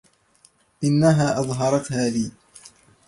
إنها أظهرتها لي.